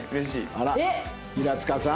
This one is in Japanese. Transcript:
あら！平塚さん？